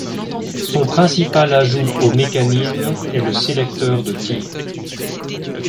Son principal ajout au mécanisme est le sélecteur de tir.